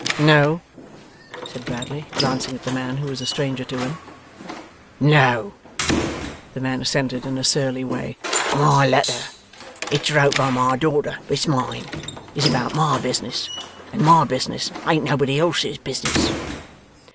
'No,' said Bradley, glancing at the man, who was a stranger to him. 'No,' the man assented in a surly way; 'my letter it's wrote by my daughter, but it's mine is about my business, and my business ain't nobody else's business.